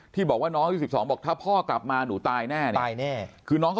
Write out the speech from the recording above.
ที่บอกว่าน้องที่๑๒บอกถ้าพ่อกลับมาหนูตายแน่คือน้องก็